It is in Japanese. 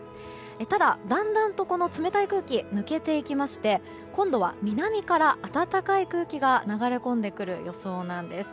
ただ、だんだんと冷たい空気は抜けていきまして今度は南から暖かい空気が流れ込んでくる予想なんです。